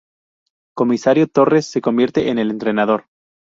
Casimiro Torres se convierte en el entrenador.